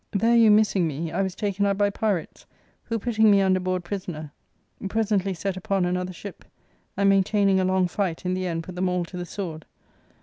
There you missing me, I was taken up by pirates, who, putting me under board prisoner, presently vi set upon another ship, and, maintaining a long fight, in the end put them all to the sword.